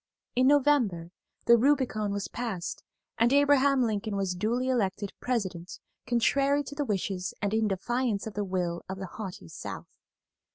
In November the Rubicon was passed, and Abraham Lincoln was duly elected President contrary to the wishes and in defiance of the will of the haughty South.